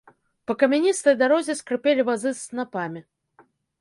Па камяністай дарозе скрыпелі вазы з снапамі.